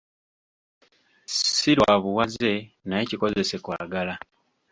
Si lwa buwaze naye kikozese kwagala.